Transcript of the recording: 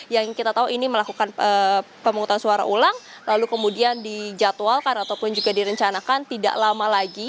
yang kita tahu ini melakukan pemungutan suara ulang lalu kemudian dijadwalkan ataupun juga direncanakan tidak lama lagi